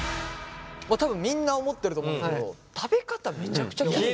多分みんな思ってると思うけど食べ方めちゃくちゃキレイ。